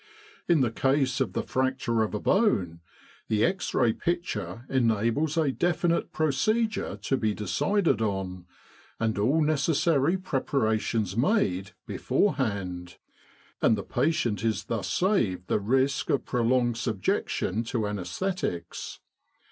In the case of the fracture of a bone, the X Ray picture enables a definite procedure to be decided on, and all necessary preparations made, beforehand; and the patient is thus saved the. risk of prolonged subjection to anaes thetics.